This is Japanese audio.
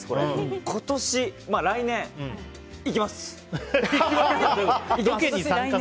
今年、来年行きます！